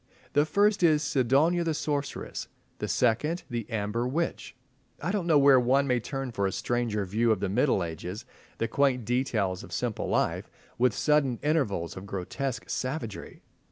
The first is "Sidonia the Sorceress," the second, "The Amber Witch." I don't know where one may turn for a stranger view of the Middle Ages, the quaint details of simple life, with sudden intervals of grotesque savagery.